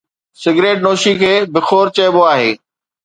Cigarette نوشي کي بخور چئبو آهي.